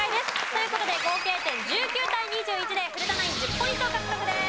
という事で合計点１９対２１で古田ナイン１０ポイントを獲得です。